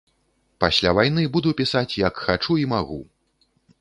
Пасля вайны буду пісаць як хачу і магу.